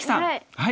はい。